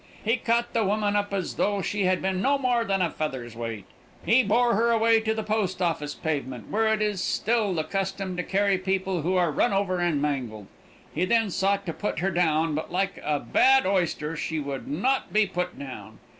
He caught the woman up as though she had been no more than a feather's weight. He bore her away to the post office pavement, where it is still the custom to carry people who are run over and mangled. He then sought to put her down, but, like a bad oyster, she would not be put down.